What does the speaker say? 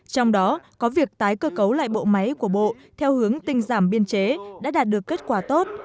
trong đó có việc tái cơ cấu lại bộ máy của bộ theo hướng tinh giảm biên chế đã đạt được kết quả tốt